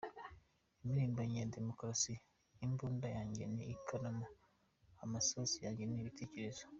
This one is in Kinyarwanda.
Impirimbanyi ya Demukarasi : Imbunda yanjye ni ikaramu, amasasu yanjye ni ibitekerezo.